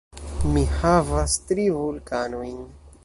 Mi havas tri vulkanojn.